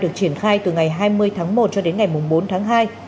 được triển khai từ ngày hai mươi tháng một cho đến ngày bốn tháng hai